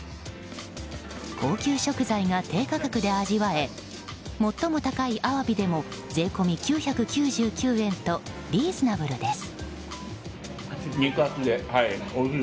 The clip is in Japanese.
高級食材が低価格で味わえ最も高いアワビでも税込み９９９円とリーズナブルです。